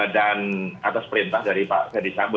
dan atas perintah dari pak fredy sambu